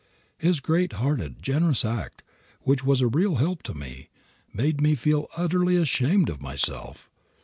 His great hearted, generous act, which was a real help to me, made me feel utterly ashamed of myself.